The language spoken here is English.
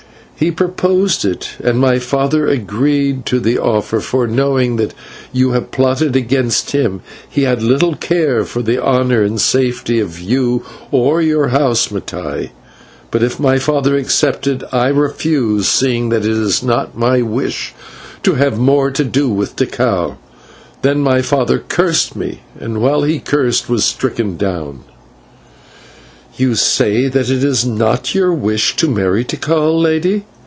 "He proposed it, and my father agreed to the offer, for, knowing that you have plotted against him, he had little care for the honour and safety of you or of your house, Mattai. But if my father accepted, I refused, seeing that it is not my wish to have more to do with Tikal. Then my father cursed me, and while he cursed was stricken down." "You say it is not your wish to marry Tikal, Lady.